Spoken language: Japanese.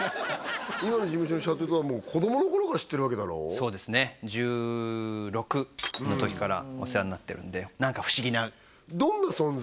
今の事務所の社長とはもう子どもの頃から知ってるわけだろそうですね１６の時からお世話になってるんで何か不思議などんな存在？